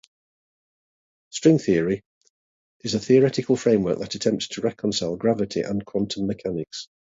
String theory is a theoretical framework that attempts to reconcile gravity and quantum mechanics.